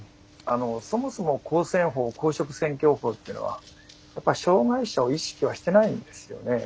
そもそも公選法公職選挙法というのは障害者を意識はしていないんですよね。